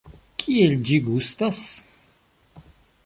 Kiel ĝi gustas?